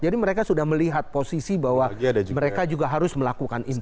jadi mereka sudah melihat posisi bahwa mereka juga harus melakukan import